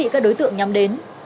các đối tượng nhắm đến